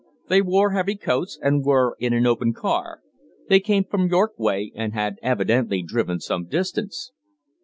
They wore heavy coats, and were in an open car. They came from York way, and had evidently driven some distance."